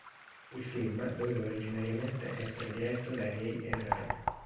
Il film doveva originariamente essere diretto da Ray Enright.